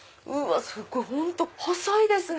すごい！本当細いですね。